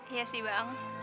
iya sih bang